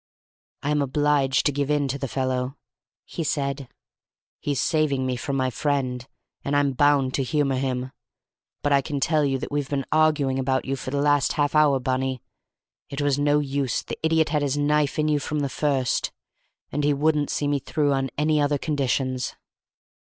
"I am obliged to give in to the fellow," said he. "He's saving me from my friend, and I'm bound to humor him. But I can tell you that we've been arguing about you for the last half hour, Bunny. It was no use; the idiot has had his knife in you from the first; and he wouldn't see me through on any other conditions."